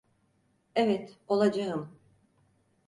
Evet, olacağım.